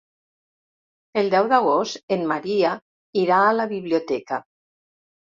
El deu d'agost en Maria irà a la biblioteca.